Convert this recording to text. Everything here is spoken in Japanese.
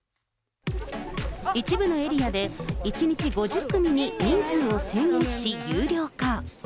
一部のエリアで、１日５０組に人数を制限し、有料化。